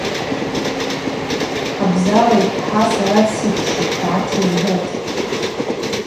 Хабзала йпхӏа сара дсыквшвитӏ, дгӏатызгатӏ.